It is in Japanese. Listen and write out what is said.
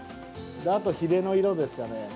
あと、ひれの色ですかね。